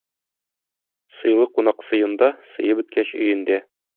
Сыйлы кунак - сыенда, сые беткәч - өендә.